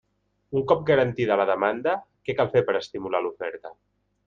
Un cop garantida la demanda, què cal fer per estimular l'oferta?